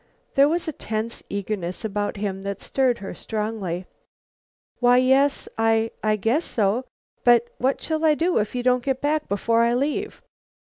There was a tense eagerness about him that stirred her strongly. "Why, yes I I guess so. But what shall I do if you don't get back before I leave?"